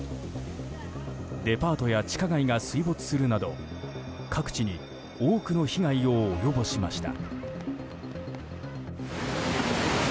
デパートや地下街が水没するなど各地に多くの被害を及ぼしました。